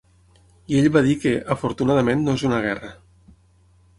I ell va dir que ‘afortunadament no és una guerra’.